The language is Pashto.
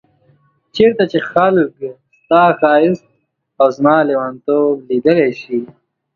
چيرته چي خلګ ستا ښايست او زما ليونتوب ليدلی شي